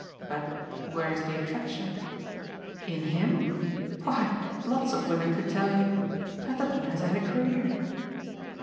"But where's the attraction?" "In HIM? Why lots of women could tell you. Petherton has had a career."